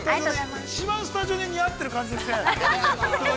一番スタジオに似合ってる感じですね。